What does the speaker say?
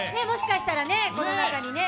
もしかしたらね、この中に。